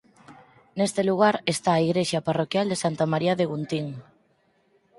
Neste lugar está a igrexa parroquial de Santa María de Guntín.